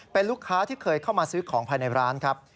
เป็นลูกค้าที่เคยเข้ามาซื้อของภายในร้านครับ